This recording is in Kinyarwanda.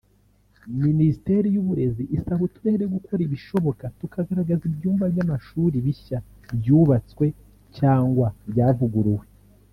Ministeri y’Uburezi isaba uturere gukora ibishoboka tukagaragaza ibyumba by’amashuri bishya byubatswe cyangwa byavuguruwe